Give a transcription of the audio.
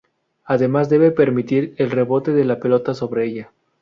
Además debe permitir el rebote de la pelota sobre ella.